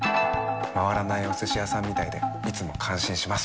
回らないお寿司屋さんみたいでいつも感心します。